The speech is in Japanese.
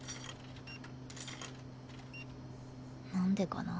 何でかな。